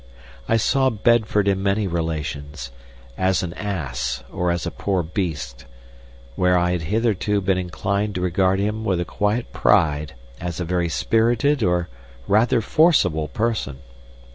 I saw Bedford in many relations—as an ass or as a poor beast, where I had hitherto been inclined to regard him with a quiet pride as a very spirited or rather forcible person.